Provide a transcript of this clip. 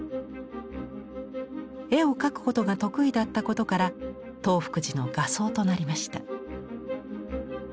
絵を描くことが得意だったことから東福寺の画僧となりました。